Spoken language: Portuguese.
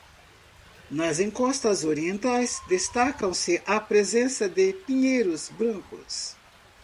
Nas encostas orientais, destaca-se a presença de pinheiros brancos.